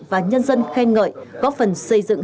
và nhân dân khen ngợi góp phần xây dựng